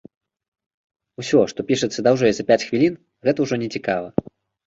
Усё, што пішацца даўжэй за пяць хвілін, гэта ўжо не цікава.